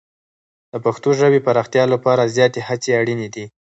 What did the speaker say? د پښتو ژبې پراختیا لپاره زیاتې هڅې اړینې دي.